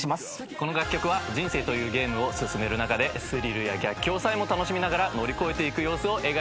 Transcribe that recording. この楽曲は人生というゲームを進める中でスリルや逆境さえも楽しみながら乗り越えていく様子を描いた楽曲です。